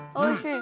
おいしい。